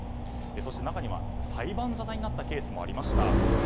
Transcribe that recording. そして、中には裁判沙汰になったケースもありました。